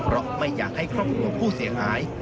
เพราะไม่อยากให้ครอบครัวผู้เสียหาย